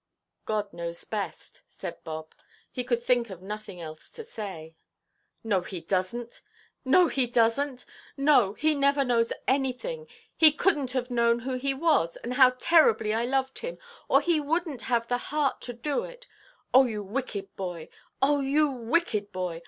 "God knows best," said Bob; he could think of nothing else to say. "No, He doesnʼt. No, He doesnʼt. No, He never knows anything. He couldnʼt have known who he was, and how terribly I loved him, or He wouldnʼt have the heart to do it. Oh, you wicked boy; oh, you wicked boy!